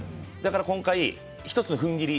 今回、一つ踏ん切り。